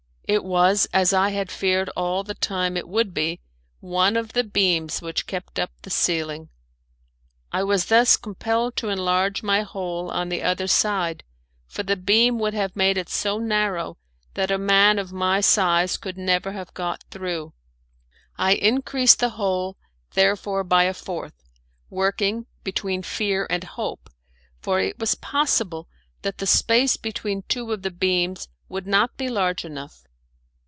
It was, as I had feared all the time it would be, one of the beams which kept up the ceiling. I was thus compelled to enlarge my hole on the other side, for the beam would have made it so narrow that a man of my size could never have got through. I increased the hole, therefore, by a fourth, working between fear and hope, for it was possible that the space between two of the beams would not be large enough.